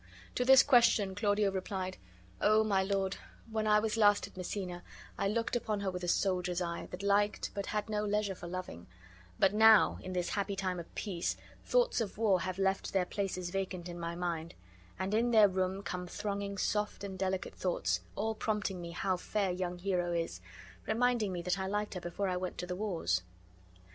To this question Claudio replied, "O my lord, when I was last at Messina I looked upon her with a soldier's eye, that liked, but had no leisure for loving; but now, in this happy time of peace, thoughts of war have left their places vacant in my mind, and in their room come thronging soft and delicate thoughts, all prompting me how fair young Hero is, reminding me that I liked her before I went to the wars."